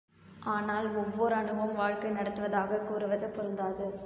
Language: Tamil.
ஆனால், ஒவ்வோர் அணுவும் வாழ்க்கை நடத்துவதாகக் கூறுவது பொருந்தாது.